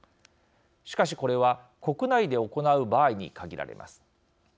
しかし、これは国内で行う場合に限られます。